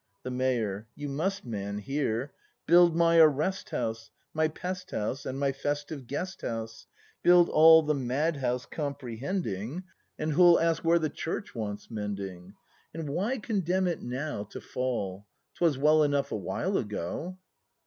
The Mayor. You must, man, here. Build my Arrest house, My Pest house and my festive Guest house, Build all, the Mad house comprehending, 178 BRAND [act iv And who'll ask, where the Church wants mending ? And why condemn it now to fall ? 'Twas well enough a while ago.